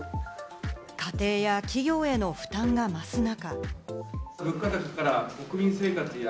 家庭や企業への負担が増す中。